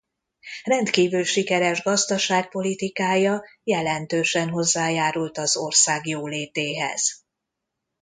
Rendkívül sikeres gazdaságpolitikája jelentősen hozzájárult az ország jólétéhez.